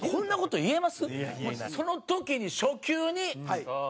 その時に初球にカーン！